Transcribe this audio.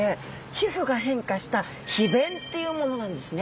皮膚が変化した皮弁っていうものなんですね。